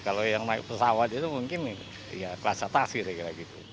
kalau yang naik pesawat itu mungkin ya kelas atas kira kira gitu